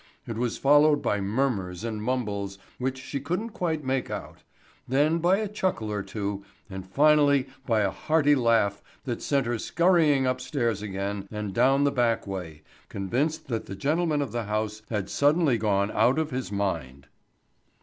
It was followed by murmurs and mumbles which she couldn't quite make out, then by a chuckle or two and finally by a hearty laugh that sent her scurrying upstairs again and down the back way, convinced that the gentleman of the house had suddenly gone out of his mind.